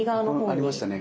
ありましたね。